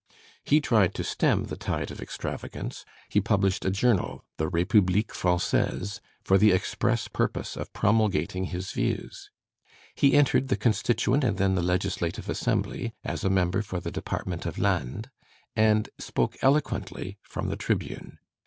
He tried to stem the tide of extravagance; he published a journal, the République Française, for the express purpose of promulgating his views; he entered the Constituent and then the Legislative Assembly, as a member for the department of Landes, and spoke eloquently from the tribune.